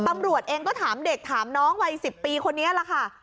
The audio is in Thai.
ตำรวจเองก็ถามเด็กถามน้องวัย๑๐ปีคนนี้แหละค่ะ